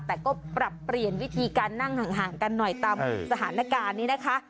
แต่ก็ปรับเปลี่ยนวิธีการนั่งห่างกันหน่อยตามสถานการณ์นี้นะคะ